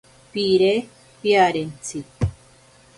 Pire piarentsi.